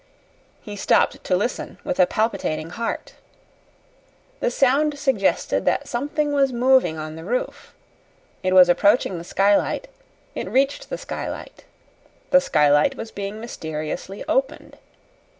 He stopped to listen with a palpitating heart. The sound suggested that something was moving on the roof. It was approaching the skylight; it reached the skylight. The skylight was being mysteriously opened.